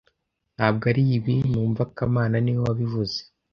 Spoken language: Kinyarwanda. Ntabwo aribi numva kamana niwe wabivuze